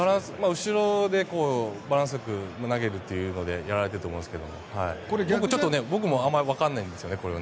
後ろでバランスよく投げるっていうのでやられていると思うんですが僕もあまりわからないんですけどね。